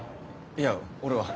いや俺は。